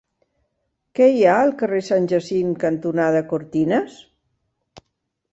Què hi ha al carrer Sant Jacint cantonada Cortines?